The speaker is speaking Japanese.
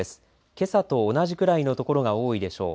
けさと同じぐらいの所が多いでしょう。